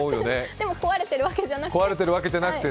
でも壊れてるわけじゃなくて。